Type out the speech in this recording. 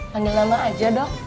panggil nama aja dong